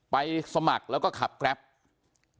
ไปสมัครแล้วก็ขับกรัพย์